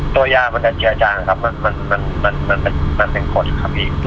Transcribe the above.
ตัวยามันจะเจือจังครับมันมันมันมันมันเป็นมันเป็นขนครับพี่